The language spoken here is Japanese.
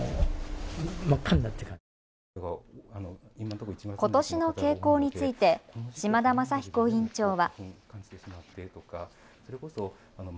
ことしの傾向について島田昌彦院長は。